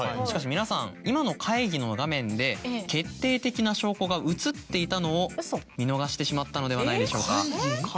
しかし皆さん今の会議の画面で決定的な証拠が映っていたのを見逃してしまったのではないでしょうか？